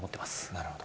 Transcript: なるほど。